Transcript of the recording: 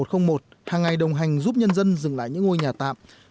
hàng ngày đồng hành giúp nhân dân dừng lại những ngôi nhà tạm